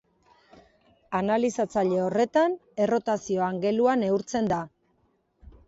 Analizatzaile horretan errotazio angelua neurtzen da.